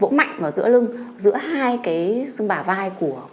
vỗ mạnh vào giữa lưng vỗ mạnh vào giữa lưng vỗ mạnh vào giữa lưng vỗ mạnh vào giữa lưng